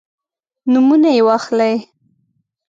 نومونه یې واخلئ.